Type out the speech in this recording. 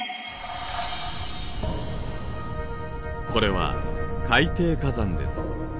これは「海底火山」です。